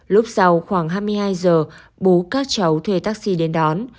lúc sau khoảng hai mươi hai giờ bố các cháu thuê taxi đến đón